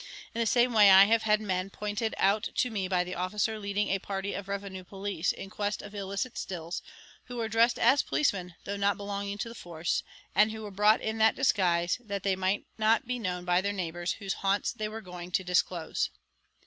In the same way I have had men pointed out to me by the officer leading a party of revenue police in quest of illicit stills, who were dressed as policemen though not belonging to the force, and who were brought in that disguise that they might not be known by their neighbours whose haunts they were going to disclose.